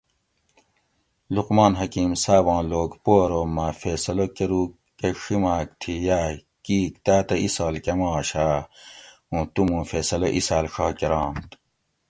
لقمان حکیم صاباں لوک پو ارو مہ فیصلہ کۤروکہ ڛینماک تھی یائے کِیک تاتہ اِیسال کم آش آ؟ اوں تو موں فیصلہ اِیساۤل ڛا کۤرانت